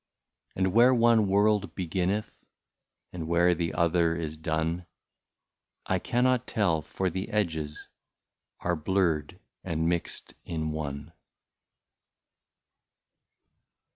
And where one world beginneth, And where the other is done, I cannot tell, for the edges Are blurred and mixed in one.